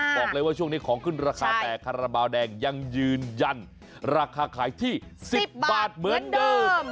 บอกเลยว่าช่วงนี้ของขึ้นราคาแต่คาราบาลแดงยังยืนยันราคาขายที่๑๐บาทเหมือนเดิม